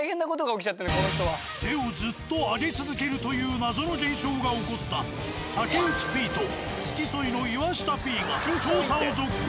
手をずっと挙げ続けるという謎の現象が起こった竹内Ｐと付き添いの岩下Ｐが調査を続行。